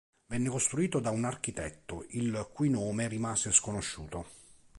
Venne costruito da un architetto il cui nome rimase sconosciuto.